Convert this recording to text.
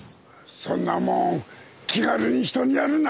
そんなもん気軽に人にやるな。